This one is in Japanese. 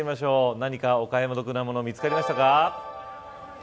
何かお買い得なもの見つかりましたか。